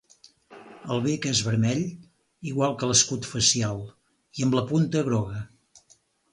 El bec és vermell, igual que l'escut facial, i amb la punta groga.